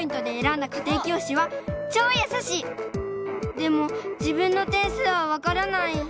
でも自分の点数はわからない。